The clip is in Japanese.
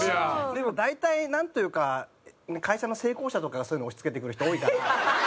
でも大体なんというか会社の成功者とかがそういうの押し付けてくる人多いから。